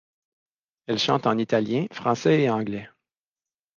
Elle chante en italien, français et anglais.